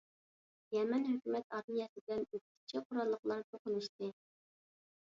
يەمەن ھۆكۈمەت ئارمىيەسى بىلەن ئۆكتىچى قوراللىقلار توقۇنۇشتى.